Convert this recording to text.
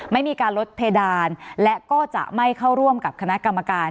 ไม่มีการลดเพดานและก็จะไม่เข้าร่วมกับคณะกรรมการ